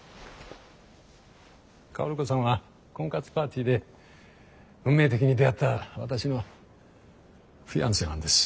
薫子さんは婚活パーティーで運命的に出会った私のフィアンセなんです。